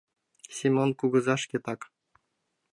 Семон кугыза шкетак.